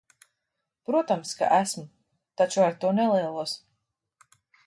Protams, ka esmu, taču ar to nelielos.